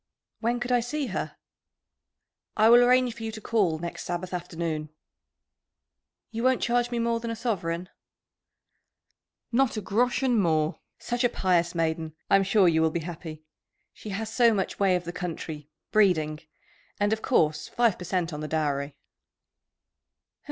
"When could I see her?" "I will arrange for you to call next Sabbath afternoon." "You won't charge me more than a sovereign?" "Not a groschen more! Such a pious maiden! I'm sure you will be happy. She has so much way of the country [breeding]. And, of course, five per cent on the dowry?"